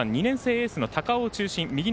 エースの高尾を中心。